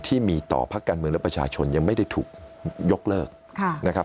ที่มีต่อพักการเมืองและประชาชนยังไม่ได้ถูกยกเลิกนะครับ